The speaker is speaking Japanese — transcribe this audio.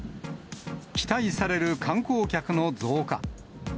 期待される観光客の増加。